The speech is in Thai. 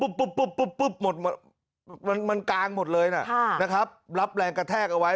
ปุ๊บปุ๊บหมดมันกางหมดเลยนะครับรับแรงกระแทกเอาไว้